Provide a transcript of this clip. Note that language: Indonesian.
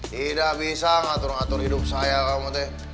tidak bisa ngatur ngatur hidup saya kamu